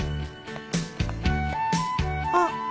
あっ。